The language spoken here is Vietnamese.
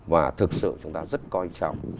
và thực sự chúng ta rất quan trọng